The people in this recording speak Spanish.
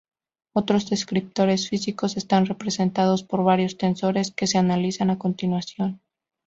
Otros descriptores físicos están representados por varios tensores, que se analizan a continuación.